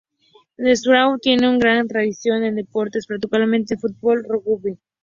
Newcastle tiene una gran tradición en deportes, particularmente en fútbol y rugby.